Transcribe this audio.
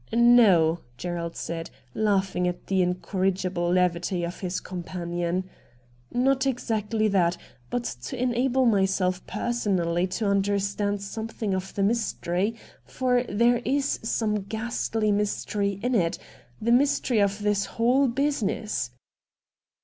' No,' Gerald said, laughing at the incor rigible levity of his companion, * not exactly that, but to enable myself personally to under stand something of the mystery, for there is some ghastly mystery in it — the mystery of this whole business.'